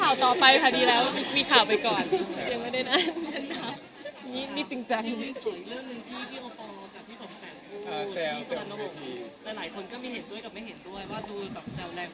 เอาเรื่องเรารักมาหุดกลอบหนึ่ง